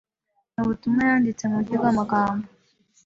Ni ubutumwa yanditse mu buryo bw’amagambo